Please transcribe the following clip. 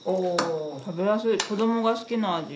食べやすい子どもが好きな味。